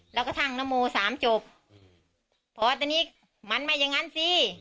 แล้วกระทั่งนโมสามจบพอตอนนี้มันไม่อย่างนั้นสิ